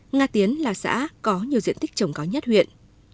nga tiến là xã có nhiều diện tích trồng cao nhất huyện